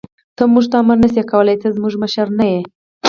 ته موږ ته امر نه شې کولای، ته زموږ مشر نه یې.